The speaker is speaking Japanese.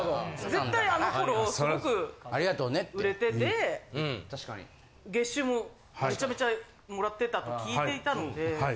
絶対あの頃すごく売れてで月収もめちゃめちゃもらってたと聞いていたので。